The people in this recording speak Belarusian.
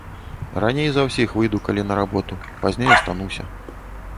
Раней за ўсіх выйду калі на работу, пазней астануся.